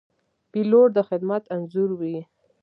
پیلوټ د خدمت انځور وي.